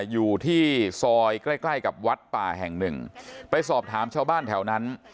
อยู่ที่ซอยใกล้ใกล้กับวัดป่าแห่งหนึ่งไปสอบถามชาวบ้านแถวนั้น